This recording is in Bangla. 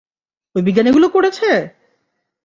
ওই বিজ্ঞানীগুলো করেছে!